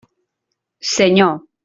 Senyor.